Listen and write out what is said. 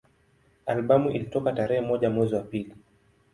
Albamu ilitoka tarehe moja mwezi wa pili